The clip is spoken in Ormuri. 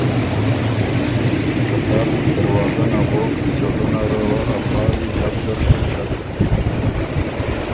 که څال اِر دروازه نغوک چولۀ نره وه ا پاړی ګپ زر شمُوشک